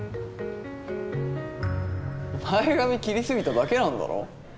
前髪切りすぎただけなんだろ。